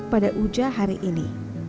pada uja hari ini